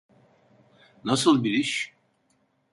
Nasıl bir iş?